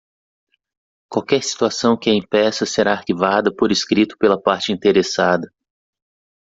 Qualquer situação que a impeça será arquivada por escrito pela parte interessada.